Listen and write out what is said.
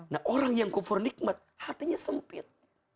nah orang yang kufur nikmat hatinya sempit